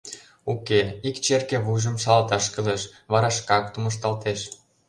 — Уке, ик черке вуйжым шалаташ кӱлеш, вара шкак тумышталтеш.